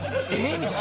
みたいな。